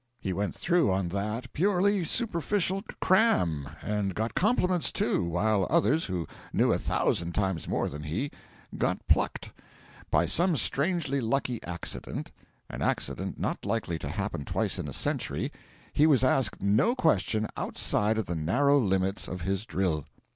He went through on that purely superficial 'cram', and got compliments, too, while others, who knew a thousand times more than he, got plucked. By some strangely lucky accident an accident not likely to happen twice in a century he was asked no question outside of the narrow limits of his drill.